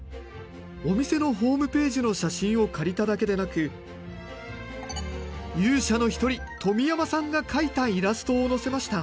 お店のホームページの写真を借りただけでなく勇者の一人富山さんが描いたイラストをのせました。